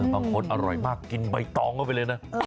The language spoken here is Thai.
บางคนอร่อยมากกินใบตองเข้าไปเลยนะ